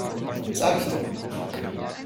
Sag ich doch!